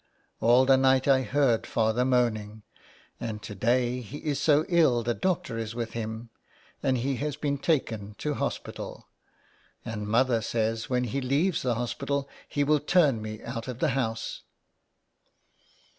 All the night I heard father moaning, and to day he is so ill the doctor is with him, and he has been taken to hospital, and mother says when he leaves the hospital he will turn me out of the house."